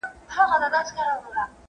زه به اوږده موده د هنرونو تمرين کړی وم!